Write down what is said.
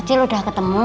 acil udah ketemu